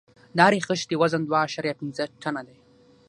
د هرې خښتې وزن دوه اعشاریه پنځه ټنه دی.